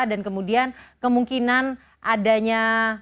dan kemudian kemungkinan adanya